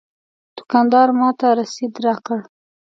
دوکاندار ماته رسید راکړ.